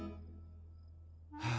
はあ。